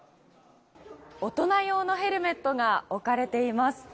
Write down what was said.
大人用のヘルメットが置かれています。